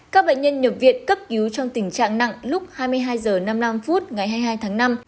các bệnh nhân nhập viện cấp cứu trong tình trạng nặng lúc hai mươi hai h năm mươi năm ngày hai mươi hai tháng năm